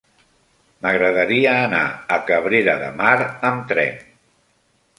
M'agradaria anar a Cabrera de Mar amb tren.